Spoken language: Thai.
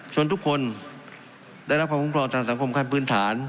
ส่วนทุกคนได้รับความคุ้มครองทางสังคมขั้นพื้นฐาน